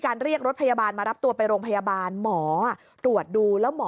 เรียกรถพยาบาลมารับตัวไปโรงพยาบาลหมอตรวจดูแล้วหมอ